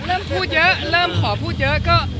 เริ่มพูดเยอะขอพูดเยอะ